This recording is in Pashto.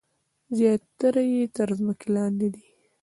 زیاتره یې تر ځمکې لاندې دي.